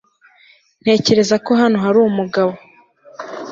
ntekereza ko hano hari umugabo